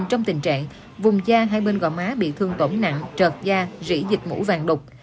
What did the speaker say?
trong tình trạng vùng da hai bên gọi má bị thương tổn nặng trượt da rỉ dịch mũ vàng đục